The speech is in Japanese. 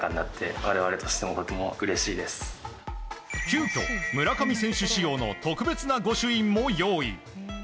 急きょ、村上選手仕様の特別な御朱印も用意。